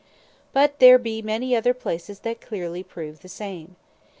But there be many other places that clearly prove the same.